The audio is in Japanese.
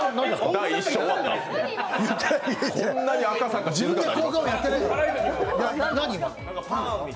第１章、終わった？